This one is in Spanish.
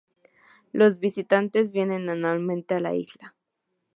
Los visitantes vienen anualmente a la isla.